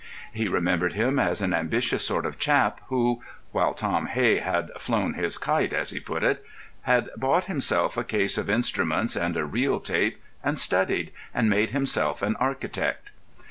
He remembered him as an ambitious sort of chap, who (while Tom Hey had "flown his kite," as he put it) had bought himself a case of instruments and a reel tape, and studied, and made himself an architect.